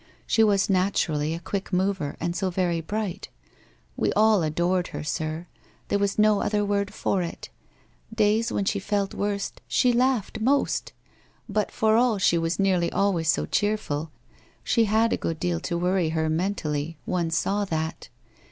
She was naturally a quick mover, and so very bright. We all adored her, sir. There was no other word for it. Days when she felt worst she laughed most. But for all she was nearly always so cheerful, she had a good deal to worry her mentally, one saw that.